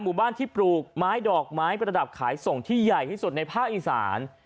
หมู่บ้านที่ปลูกไม้ดอกไม้ประดับขายส่งที่ใหญ่ที่สุดในภาคอีสาน